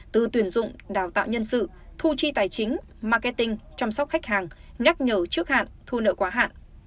từ tuyển dụng đào tạo nhân sự thu chi tài chính marketing chăm sóc khách hàng nhắc nhở trước hạn thu nợ quá hạn